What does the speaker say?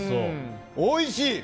おいしい！